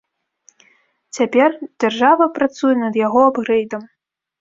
Цяпер дзяржава працуе над яго апгрэйдам.